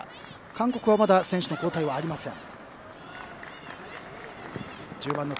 韓国はまだ選手の交代はありません。